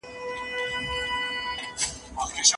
علمي څېړنه د پرمختګ لپاره اړین ګام دی.